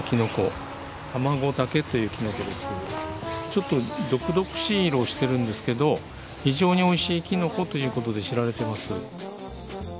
ちょっと毒々しい色をしてるんですけど非常においしいきのこということで知られてます。